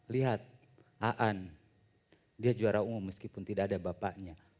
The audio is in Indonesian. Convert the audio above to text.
lihat aan dia juara umum meskipun tidak ada bapaknya